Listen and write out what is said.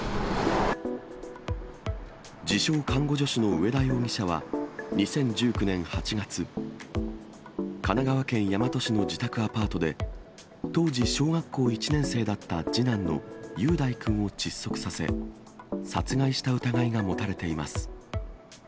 自称看護助手の上田容疑者は、２０１９年８月、神奈川県大和市の自宅アパートで、当時、小学校１年生だった次男の雄大君を窒息させ、殺害した疑いが持たれています。